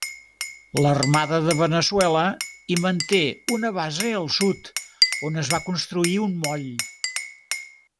L'Armada de Veneçuela hi manté una base al sud, on es va construir un moll.